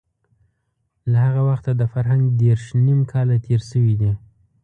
له هغه وخته د فرهنګ دېرش نيم کاله تېر شوي دي.